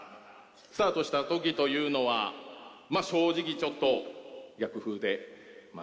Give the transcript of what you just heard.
スタートしたときというのは、正直ちょっと逆風でまあ